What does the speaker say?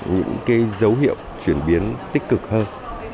những cái dấu hiệu chuyển biến tích cực hơn